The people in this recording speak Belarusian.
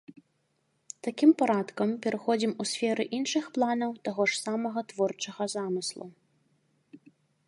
Такім парадкам пераходзім у сферы іншых планаў таго ж самага творчага замыслу.